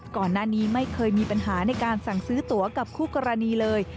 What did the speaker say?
ก่อนหน้านี้ไม่เคยมีปัญหาในการสั่งซื้อตัวกับคู่กรณีเลย